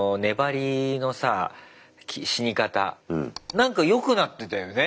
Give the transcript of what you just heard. なんかよくなってたよね。